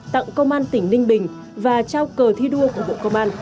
tặng công an tỉnh ninh bình và trao cờ thi đua của bộ công an